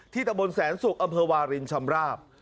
ตะบนแสนศุกร์อำเภอวารินชำราบ